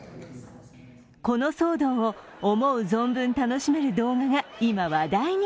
この騒動を思う存分楽しめる動画が、今話題に。